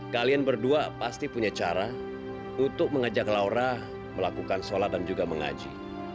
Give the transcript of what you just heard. kalian berdua pasti punya cara untuk mengajak laura melakukan sholat dan juga mengaji